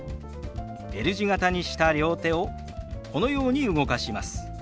Ｌ字形にした両手をこのように動かします。